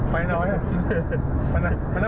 ไปไหน้ไหน้